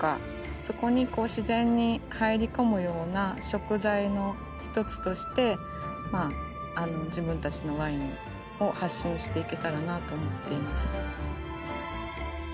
そこにこう自然に入り込むような食材の一つとしてまああの自分たちのワインを発信していけたらなあと思っています。